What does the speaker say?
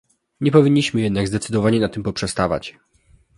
Nie powinniśmy jednak zdecydowanie na tym poprzestawać